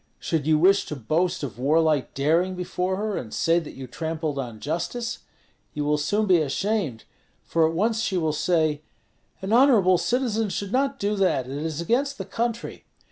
Should you wish to boast of warlike daring before her, and say that you trampled on justice, you will soon be ashamed; for at once she will say, 'An honorable citizen should not do that; it is against the country.'